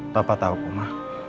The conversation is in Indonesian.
papa tauku ma